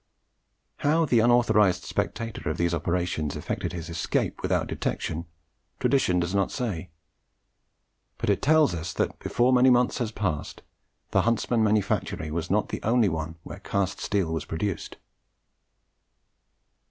How the unauthorized spectator of these operations effected his escape without detection tradition does not say; but it tells us that, before many months had passed, the Huntsman manufactory was not the only one where cast steel was produced."